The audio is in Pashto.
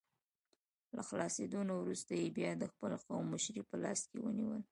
له خلاصېدو نه وروسته یې بیا د خپل قوم مشري په لاس کې ونیوله.